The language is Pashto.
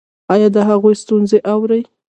ایا د هغوی ستونزې اورئ؟